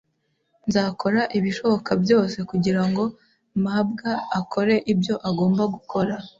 Nzakora ibishoboka byose kugirango mabwa akore ibyo agomba gukora.